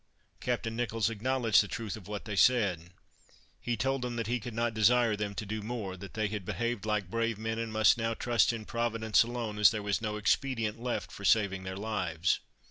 Captain Nicholls acknowledged the truth of what they said; he told them that he could not desire them to do more, that they had behaved like brave men, and must now trust in Providence alone, as there was no expedient left for saving their lives.